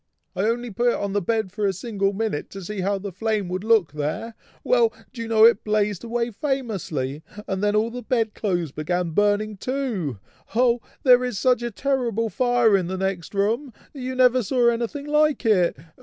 "I only put it on the bed for a single minute, to see how the flame would look there, well! do you know it blazed away famously, and then all the bed clothes began burning too! Oh! there is such a terrible fire in the next room! you never saw anything like it!